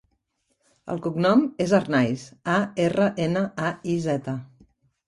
El cognom és Arnaiz: a, erra, ena, a, i, zeta.